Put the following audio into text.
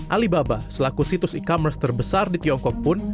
alibaba selaku situs e commerce terbesar di tiongkok pun